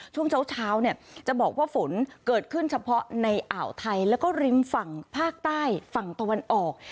ช่วงเช้าเนี่ยจะบอกว่าฝนเกิดขึ้นเฉพาะในอ่าวไทยแล้วก็ริมฝั่งภาคใต้ฝั่งตะวันออก